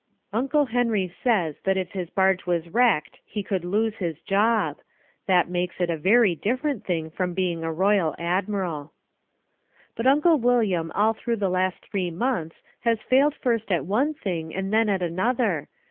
Uncle Henry says that if his barge was wrecked he would lose his job. This makes it a very different thing from being a royal admiral. But Uncle William all through the last three months has failed first at one thing and then at another.